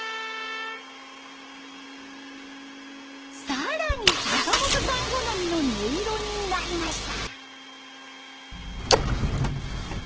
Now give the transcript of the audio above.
更に坂本さん好みの音色になりました。